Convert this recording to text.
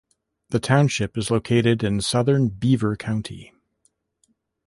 The township is located in southern Beaver County.